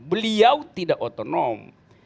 beliau tidak otonom